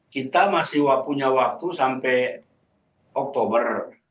kita masih punya waktu sampai oktober